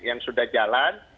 yang sudah jalan